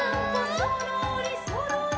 「そろーりそろり」